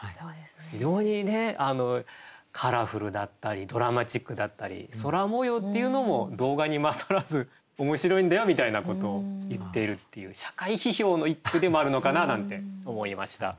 非常にねカラフルだったりドラマチックだったり空もようっていうのも動画に勝らず面白いんだよみたいなことを言っているっていう社会批評の一句でもあるのかななんて思いました。